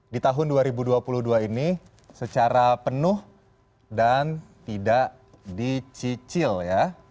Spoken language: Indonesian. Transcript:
di tahun dua ribu dua puluh dua ini secara penuh dan tidak dicicil ya